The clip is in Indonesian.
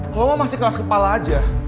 kalo lo masih kelas kepala aja